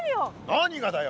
何がだよ？